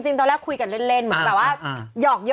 จริงตอนแรกคุยกันเล่นเหมือนกับว่าหยอก